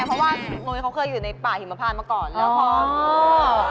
เพราะว่านุ้ยเขาเคยอยู่ในป่าหิมพานมาก่อนแล้วพอเออ